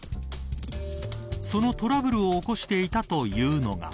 そのトラブルを起こしていたというのが。